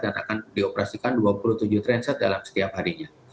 dan akan dioperasikan dua puluh tujuh trainset dalam setiap harinya